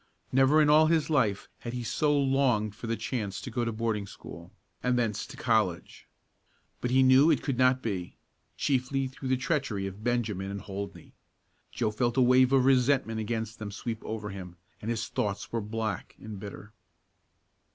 Never in all his life had he so longed for the chance to go to boarding school, and thence to college. But he knew it could not be, chiefly through the treachery of Benjamin and Holdney. Joe felt a wave of resentment against them sweep over him, and his thoughts were black and bitter.